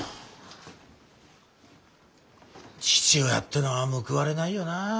父親ってのは報われないよなあ。